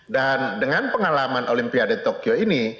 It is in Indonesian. dan dengan pengalaman olimpiade tokyo ini